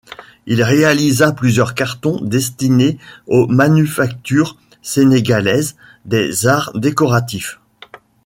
Il réalisa plusieurs cartons destinés aux Manufactures sénégalaises des arts décoratifs.